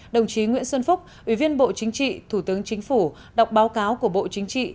đồng chí nguyễn xuân phúc ủy viên bộ chính trị thủ tướng chính phủ đọc báo cáo của bộ chính trị